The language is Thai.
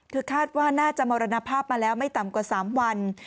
คือคาดว่าน่าจะมรณภาพมาแล้วไม่ต่ำกว่า๓วัน